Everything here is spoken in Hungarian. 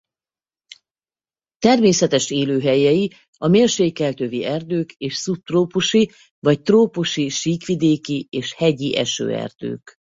Természetes élőhelyei a mérsékelt övi erdők és szubtrópusi vagy trópusi síkvidéki és hegyi esőerdők.